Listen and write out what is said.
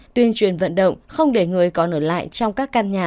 tuyên truyền vận động không để người còn ở lại trong các căn nhà